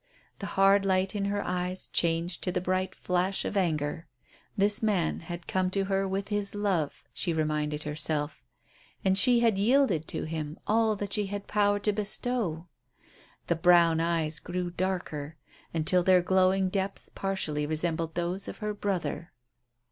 The hard light in her eyes changed to the bright flash of anger. This man had come to her with his love, she reminded herself, and she had yielded to him all that she had power to bestow. The brown eyes grew darker until their glowing depths partially resembled those of her brother.